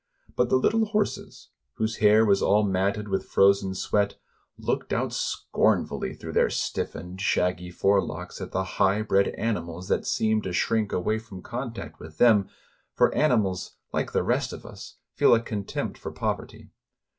But the little horses, whose hair was all matted with 240 THE RACES ON THE NEVA RIVER frozen sweat, looked out scornfully through their stif fened, shaggy forelocks at the high bred animals that seemed to shrink away from contact with them, — for animals — like the rest of us !— feel a contempt for poverty.